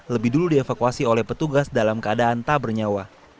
lebih dulu dievakuasi oleh petugas dalam keadaan tak bernyawa